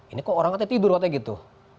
ini kok orang katanya tidur katanya gitu